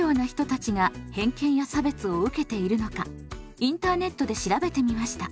インターネットで調べてみました。